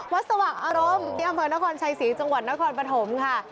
วัดสวัสดิ์อารมณ์เกียรติภัยนครชัยศรีจังหวัดนครปฐมค่ะ